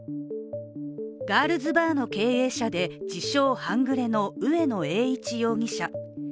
ガールズバーの経営者で、自称・半グレの上野瑛一容疑者。